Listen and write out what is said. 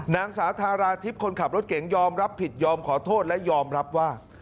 นางสาวทาราทิพย์คนขับรถเก๋งยอมรับผิดยอมขอโทษและยอมรับว่า